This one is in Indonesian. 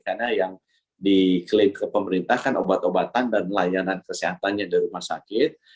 karena yang diklaim ke pemerintah kan obat obatan dan layanan kesehatannya di rumah sakit